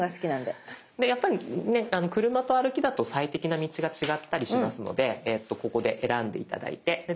でやっぱりね車と歩きだと最適な道が違ったりしますのでここで選んで頂いてで大丈夫そうだ２２分だ。